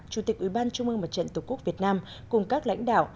chủ tịch ủy ban trung mương mặt trận tổ quốc việt nam cùng các lãnh đạo